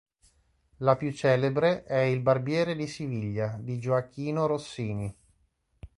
La più celebre è "Il barbiere di Siviglia" di Gioachino Rossini.